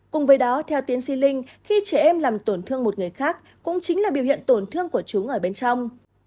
cùng với đó theo tiến sĩ linh khi trẻ em làm tổn thương một người khác cũng chính là biểu hiện tổn thương của chúng ở bên trong